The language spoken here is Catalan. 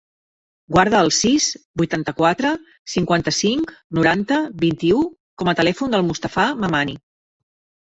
Guarda el sis, vuitanta-quatre, cinquanta-cinc, noranta, vint-i-u com a telèfon del Mustafa Mamani.